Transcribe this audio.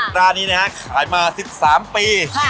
ร้านนี้นะฮะขายมา๑๓ปี